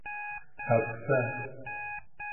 ¿Jaksa?